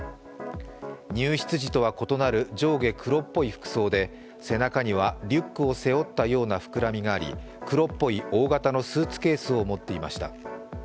入室時とは異なる上下黒っぽい服装で背中にはリュックを背負ったような膨らみがあり、黒っぽい大型のスーツケースを持っていました。